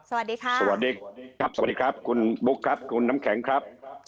สวัสดีค่ะสวัสดีครับสวัสดีครับคุณบุ๊คครับคุณน้ำแข็งครับ